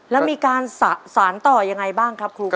แล้วมีการสารต่อยังไงบ้างครับครูครับ